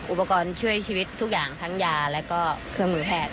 อุปกรณ์ช่วยชีวิตทุกอย่างทั้งยาและก็เครื่องมือแพทย์